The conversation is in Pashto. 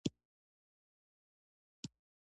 ایا ستاسو دنده مهمه نه ده؟